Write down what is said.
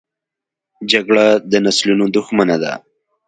جګړه د نسلونو دښمنه ده